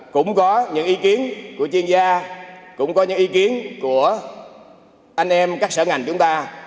cũng có những ý kiến của chuyên gia cũng có những ý kiến của anh em các sở ngành chúng ta